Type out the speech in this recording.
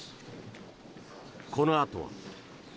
このあとは。